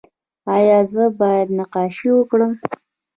ایا زه باید نقاشي وکړم؟